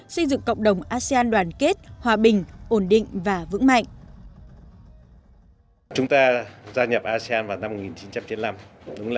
vượt qua nhiều thăng trầm asean đã vươn lên từ một cộng đồng đoàn kết vững mạnh gồm một mươi nước đông nam á hoạt động